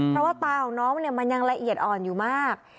เพราะว่าตาของน้องเนี่ยมันยังละเอียดอ่อนอยู่มาก